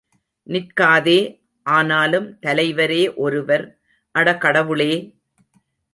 நிற்காதே! ஆனாலும், தலைவரே ஒருவர். அட கடவுளே!